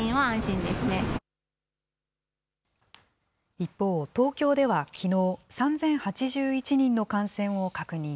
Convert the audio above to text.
一方、東京ではきのう、３０８１人の感染を確認。